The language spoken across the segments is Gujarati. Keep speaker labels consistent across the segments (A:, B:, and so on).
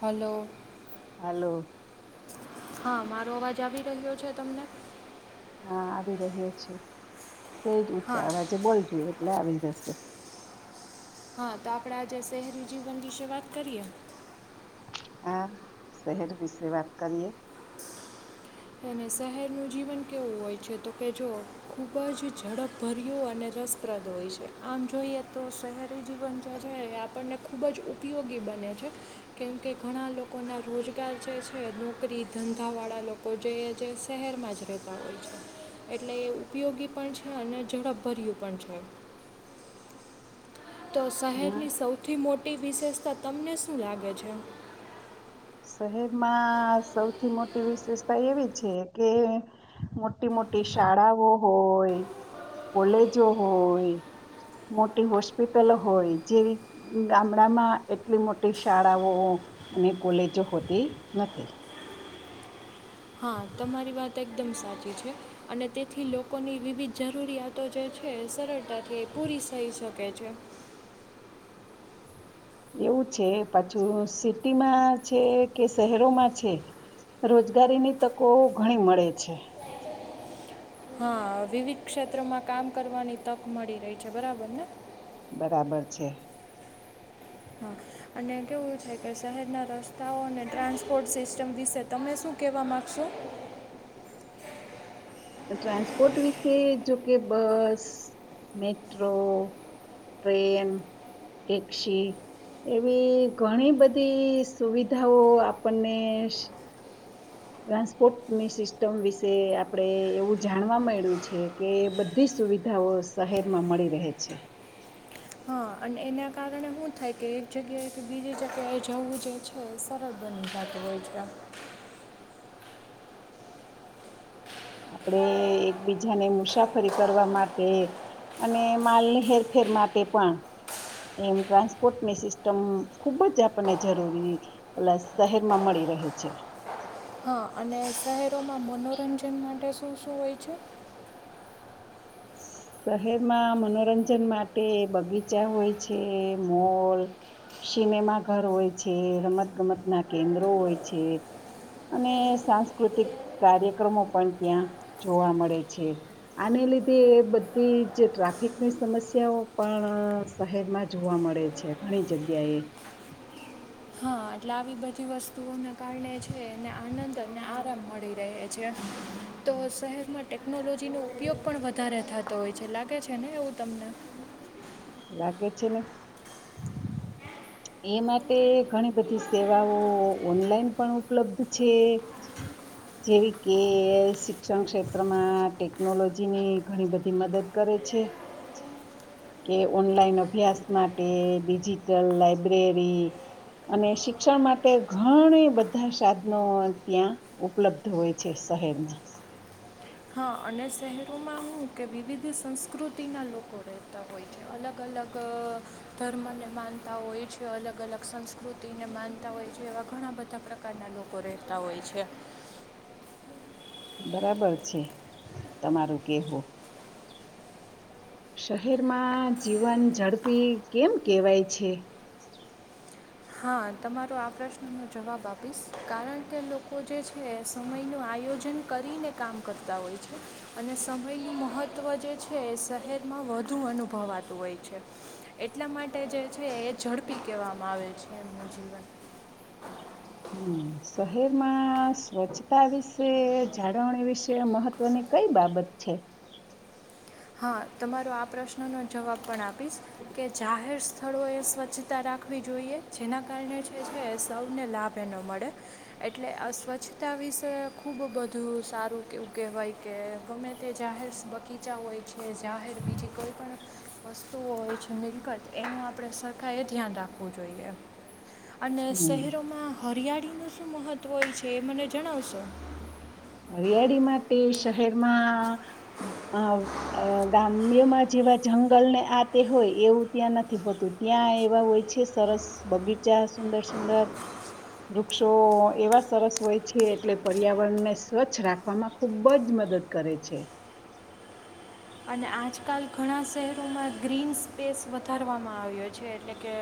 A: હલો
B: હાલો
A: હા મારો અવાજ આવી રહ્યો છે તમને
B: હા આવી રહ્યો છે સ જ ઉ
A: હા
B: છે હવે જે બજું એટલે આવી જશે
A: હા તો આપડે આજે શહેરી જીવન વિશે વાત કરીએ
B: હા શહેર વિશે વાત કરએ
A: અને શહેરનું જીવન કેવું હોય છે તો કે જો ખૂબ જ ઝડપભર્યું અને રસપ્રદ હોય છે આમ જોઈએ તો શહેરી જીવન જે છે એ આપણને ખૂબ જ ઉપયોગી બને છે કેમકે ઘણા લોકોના રોજગાર જે છે નોકરી ધંધાવાળા લોકો લોકો જેઈએ જે શહેરમાં જ રહેતા હોય છે એટલે એ ઉપયોગી પણ છે અને ઝડપભર્યું પણ છે તો
B: હા
A: શહેરની સૌથી મોટી વિશેષતા તમને શું લાગે છે
B: શહેરમાં સૌથી મોટી વિશેષતા એવી છે કે મોટી મોટી શાળાઓ હોય કોલેજો હોય મોટી હોસ્પિટલ હોય જેવી ગામડામાં એટલી મોટી શાળાઓ અને કોલેજ જો હોતી નથી
A: હા તમારી વાત એકદમ સાચી છે અને તેથી લોકોની વિવિધ જરૂરિયાતો જે છે સરળ થ પૂરી સહી સ શકે છે
B: એવું છે પાછું સિટીમાં છે કે શહેરોમાં છે રોજગારીની તકો ઘણી મળે છે
A: હા વિવિધ ક્ષેત્રમાં કામ કરવાની તક મળી રહી છે બરાબર ને
B: બરાબર છે
A: હા અને કેવું છે કે શહેરના રસ્તાઓ અને ટ્રાન્સપોર્ટ સિસ્ટમ વિશે તમે શું કહેવા માગશો
B: ટ્રાન્સપોર્ટ વિશે જોકે બસ મેટ્રો ટ્રેન ટેક્ક્ષ એવી ઘણી બધી સુવિધાઓ આપણને ટ્રાન્સપોર્ટની સિસ્ટમ વિશે આપણેે એવું જાણવા મળ્યું છે કે બધી સુવિધાઓ શહેરમાં મળી રહે છે
A: હા અને એના કારણે શું થાય કે એક જગ્યાએ કે બીજી જગ્યાએ જવું જે છે એ સરળ બની જતું હોય છે.
B: આપણે એકબીજાને મુસાફરી કરવા માટે અને માલની હેરફેર માટે પણ એમ ટ્રાન્સપોર્ટની સિસ્ટમ ખુબ જ આપણને જરૂરી પલસ શહેરમાં મળી રહે છે.
A: હા અને શહેરોમાં મનોરંજન માટે શું શું હોય છે.
B: શહેરમાં મનોરંજન માટે બગીચા હોય છે મોલ સિનેમા ઘર હોય છે રમત ગમત ના કેન્દ્રો હોય છે અને સાંસ્કૃતિક કાર્યક્રમો પણ ત્યાં જોવા મળે છે આને લી તે બધી જે ટ્રાફિકની સમસ્યાઓ પણ શહેરમાં જોવા મળે છે ઘણી જગ્યાએ
A: હા એટલે આવી બધી વસ્તુઓના કારણે છે એને આનંદ અને આરામ મળી રહે છે તો શહેરમાં ટેકનોલોજીનો ઉપયોગ પણ વધારે થતો હોય છે લાગે છે ને એવું તમને
B: લાગચીને એ માટે ઘણી બધી સેવાઓ ઓનલાઈન પણ ઉપલબ્ધ છે જેવી કે શિક્ષણ ક્ષેત્રમાં ટેકનોલોજીની ઘણી બધી મદદ કરે છે કે ઓનલાઈન અભ્યાસ માટે ડિજિટલ લા લાયબ્રેરી અને શિક્ષણ માટે ઘણા બધા સાધનો ત્યાં ઉપલબ્ધ હોય છે શહેરમાં
A: હ અને શહેરોમાં હું કે વિવિધ સંસ્કૃતિના લોકો રહેતા હોય છે અલગ અલગ ધર્મને માનતા હોય છે અલગ અલગ સંસ્કૃતિને માનતા હોય છે એવા ઘણા બધા પ્રકારના લોકો રહેતા હોય છે.
B: બરાબર છે તમારું કેવું શહેરમાં જીવન ઝડપી કેમ કેહેવાય છે.
A: હા તમારો આ પ્રશ્નનો જવાબ આપીશ કારણ કે લોકો જે છે સમયનું આયોજન કરીને કામ કરતા હોય છે અને સમયનું મહત્ત્વ જે છે એ શહેરમાં વધુ અનુભવાતું હોય છે એટલા માટે જે છે એ ઝડપી કહેવામાં આવે છે. [inaudible]
B: હમ શહેરમાં સ્વચ્છતા વિશે જાળવણી વિશે મહત્વની કઈ બાબત છે.
A: હા તમારો આ પ્રશ્નનો જવાબ પણ આ પીશ કે જાહેર સ્થળોએ સ્વચ્છતા રાખવી જોઈએ જેના કારણે જે છે સૌને લાભ એ ન મળે એટલે આ સ્વચ્છતા વિશે ખૂબ બધું સારું એવું કહેવાય કે ગમે તે જાહેર બગીચા હોય જે જાહેર બીજી કોઈ પણ વસ્તુઓ હોય છે મિલકત એમાં આપણે સરકાર એ ધયાન રાખ હોવું જોઈએ. અને
B: હમ
A: શહેરોમાં હરિયા નુ શું મહત્વ હોય છે એ મને જણાવશો
B: હરિયાળી માટે શહેરમાં અ અ ગામ્યમાં જેવા જંગલને આ તે હોય એવું ત્યાં નથી હોતું ત્યાં એવા હોય છે સરસ બગીચા સુંદર સુંદર વૃક્ષો એવા સરસ હોય છે એટલે પર્યાવરણને સ્વચ્છ રાખવામાં ખૂબ જ મદદ કરે છે.
A: અને આજકાલ ઘણા શહેરોમાં ગ્રીન સ્પેસ વધારવામાં આવ્યો છે એટલે કે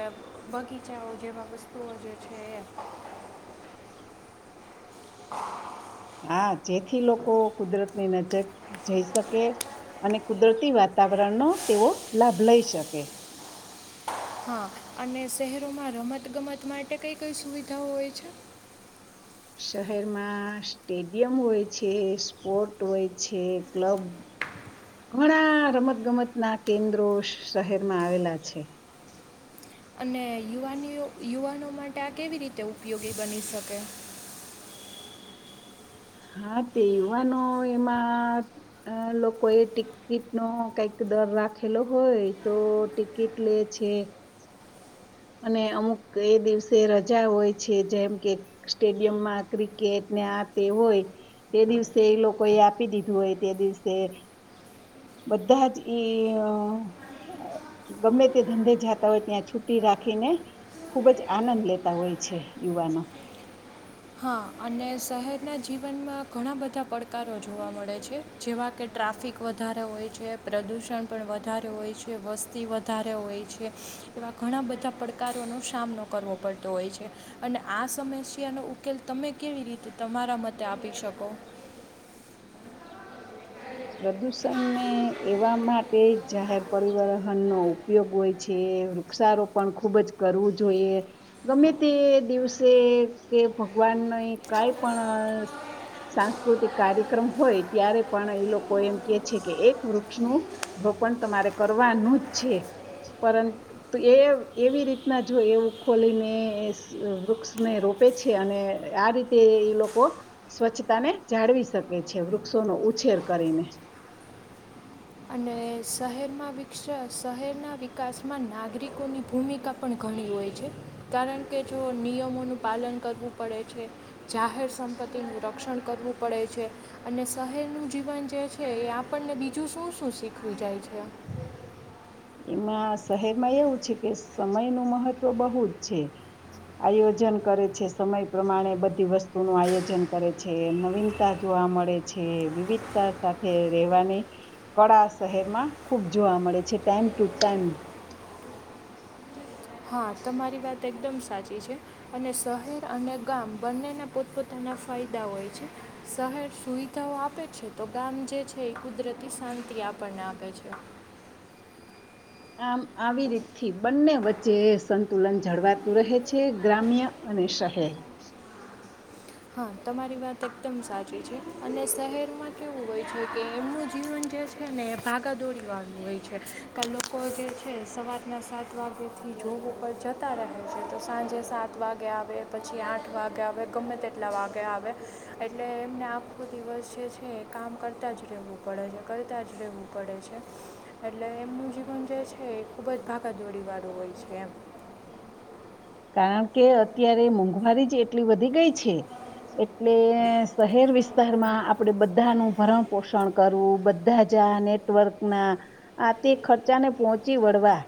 A: બગીચાઓ જેવા વસ્તુઓ જે છે. [unintelligible]
B: હા જેથી લોકો કુદરતની નજક જઈ શકે અને કુદરતી વાતાવરણનો તેઓ લાભ લઈ શકે
A: હા અને શહેરોમાં રમત ગમત માટે કઈ કઈ સુવિધાઓ હોય છે.
B: શહેરમાં સ્ટેડિયમ હોય છે સ્પોર્ટ હોય છે ક્લબ ઘણા રમત ગમત ના કેન્દ્રો શહેરમાં આવેલા છે.
A: અને યુવાનીઓ યુવાનો માટે આ કેવી રીતે ઉપયોગી બની શકે
B: હા તેવાનો એમાં લોકો એ ટિકિટ નો કંઈક દર રાખેલો હોય તો ટિકિટ લે છે. અને અમુક એ દિવસે રજા હોય છે જેમ કે સ્ટેડિયમમાં ક્રિકેટને આ તે હોય તે દિવસે એ લોકો એ આપી દીધું હોય તે દિવસે બધા જ ઈ ગમે તે ધંધે જાતા હોય ત્યાં છુટી રાખીને ખુબ જ આનંદ લેતા હોય છે યુવાનો
A: હા અને શહેરના જીવનમાં ઘણા બધા પડકારો જોવા મળે છે જેવા કે ટ્રાફિક વધારે હોય છે પ્રદૂષણ પણ વધારે હોય છે વસ્તી વધારે હોય છે એવા ઘણા બધા પડકારોનો સામનો કરવો પડતો હોય છે અને આ સમસ્યાનો ઉ કે તમે કેવી રીતે તમારા મતે આપી શકો.
B: પ્રદૂષણને એવા માટે જાહેર પરિવહનનો ઉપયોગ હોય છે વૃક્ષારોપણ ખુબ જ કરવું જોઈએ ગમે તે દિવસે કે ભગવાનને કઈ પણ સાંસ્કૃતિક કાર્યક્રમ હોય ત્યારે પણ એ લોકો એમ કે છે કે એક વૃક્ષનું રોપણ તમારે કરવાનું જ છે પરંતુ એ એવી રીતના જો એવું ખોલીને વૃક્ષને રોપે છે અને આ રીતે એ લોકો સ્વચ્છતાને જાળવી શકે છે વૃક્ષોનો ઉછેર કરીને
A: અને શહેરમાં વિકસ શહેરના વિકાસમાં નાગરિકોની ભૂમિકા પણ ઘણી હોય છે કારણ કે જો નિયમોનું પાલન કરવું પડે છે જાહેર સંપત્તિનું રક્ષણ કરવું પડે છે અને શહેરનું જીવન જે છે એ આપણને બીજું શું શું શીખું જાય છે.
B: એમાં શહેરમાં એવું છે કે સમય નું મહત્વ બહુ જ છે આયોજન કરે છે સમય પ્રમાણે બધી વસ્તુ નું આયોજન કરે છે નવીનતા જોવા મળે છે વિવિધતા સાથે રહેવાની કળા શહેરમાં ખુબ જોવા મળે છે ટાઈમ ટૂટાન
A: હા તમારી વાત એકદમ સાચી છે અને શહેર અને ગામ બંનેને પોતપોતાના ફાયદા હોય છે શહેર સુવિધાઓ આપે છે તો ગામ જે છે એ કુદરતી શાંતિ આપણને આપે છે.
B: આમ આવી રીતથી બંને વચ્ચે સંતુલન જળવાતું રહે છે ગ્રામ્ય અને શહેર
A: હા તમારી વાત એકદમ સાચી છે અને શહેરમાં કેવું હોય છે કે એમનું જીવન જે છે ને એ ભાગા દોડીવાળનું હોય છે કે લોકો જે છે સવારના સાત વાગેથી જોગ ઉપર જતા રહે છે તો સાંજે સાત વાગે આવે પછી આઠ વાગે આવે ગમે તે કેટલા વાગે આવે એટલે એમને આખો દિવસ જે છે એ કામ કરતા જ રહેવું પડે છે કરતા જ રહેવું પડે છે એટલે એમનું જીવન જે છે એ ખૂબ જ ભાગાદોરી વાળું હોય છે એમ
B: કારણ કે અત્યારે મોંઘવારી જ એટલી વધી ગઈ છે એટલે શહેર વિસ્તારમાં આપડે બધાનું ભરણ પોષણ કરવું બધા જ આ નેટવર્ક ના આ તે ખર્ચાને પહોંચી વળવા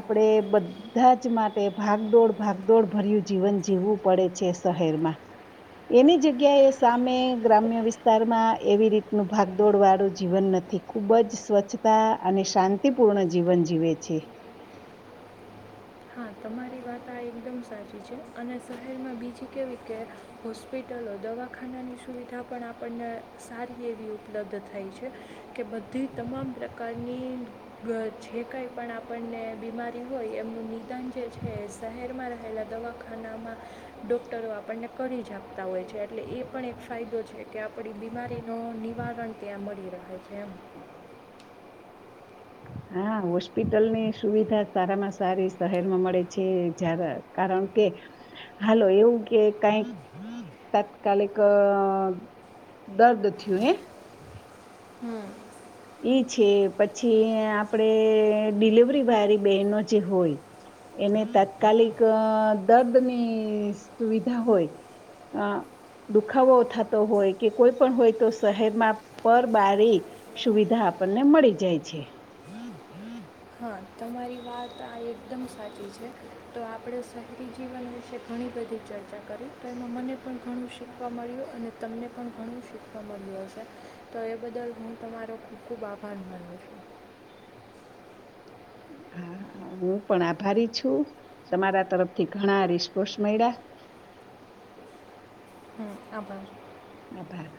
B: આપડે બધા જ માટે ભાગદોડ ભાગદોડ ભર્યું જીવન જીવવું પડે છે શહેરમાં એની જગ્યાએ સામે ગ્રામ્ય વિસ્તારમાં એવી રીતનું ભાગદોડ વાળું જીવન નથી ખૂબ જ સ્વચ્છતા અને શાંતિપૂર્ણ જીવન જીવે છે
A: હા તમારી વાત આ એકદમ સાચી છે અને શહેરમાં બીજી કેવી કે હોસ્પિટલો દવાખાનાની સુવિધા પણ આપણને સારી એવી ઉપલબ્ધ થાય છે કે બધી તમામ પ્રકારની જે કાંઈ પણ આપણને બીમારી હોય એમનું મદાન જે છે શહેરમાં રહેલા દવાખાનામાં ડોક્ટરો આપણને કરી જ આપતા હોય છે એટલે એ પણ એક ફાયદો છે કે આપણી બીમારીનું નિવારણ ત્યાં મળી રહે છે એમ
B: હા હોસ્પિટલની સુવિધા સારામાં સારી શહેરમાં મળે છે જ્યારે કારણ કે હાલો એવું કે કઈક તાત્કાલિક દર્દ થયું એ
A: હમ
B: ઈ છે પછી આપડે ડીલિવરી વારી બહેનો જે હોય એને તાત્કાલિક દર્દની સુવિધા હોય દુખાવો થતો હોય કે કોઈ પણ હોય તો શહેરમાં પર બારી સુવિધા આપણને મળી જાય છે.
A: હા તમારી વાત આ એકદમ સાચી છે તો આપણે શહેરી જીવન વિશે ઘણી બધી ચર્ચા કરી તો એમાં મને પણ ઘણું શીખવા મળ્યું અને તમને પણ ઘણું શીખવા મળ્યું હશે તો એ બદલ હું તમારો ખૂબ ખૂબ આભાર માનું છું
B: હા હા હું પણ આભારી છું તમારા તરફથી ઘણા રિસ્પોસ મળ્યા
A: હમ આભર.
B: આભાર